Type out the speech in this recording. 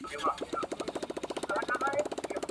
څخه ځي يو بهانه راڅخه غواړي